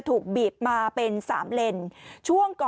สุดยอดดีแล้วล่ะ